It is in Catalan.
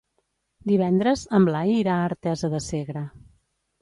Divendres en Blai irà a Artesa de Segre.